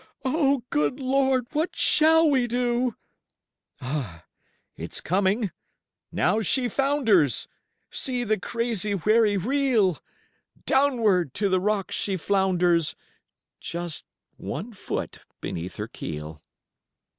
Oh, good Lord, what shall we do!" Ah, it's coming! Now she founders! See the crazy wherry reel! Downward to the rocks she flounders Just one foot beneath her keel!